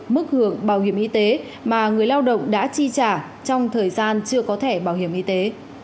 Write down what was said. mức hưởng bảo hiểm y tế mà người lao động đã chi trả trong thời gian chưa có thẻ bảo hiểm y tế